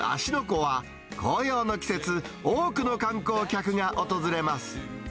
湖は、紅葉の季節、多くの観光客が訪れます。